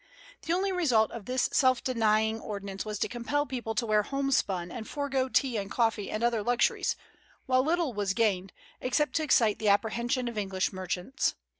The only result of this self denying ordinance was to compel people to wear homespun and forego tea and coffee and other luxuries, while little was gained, except to excite the apprehension of English merchants.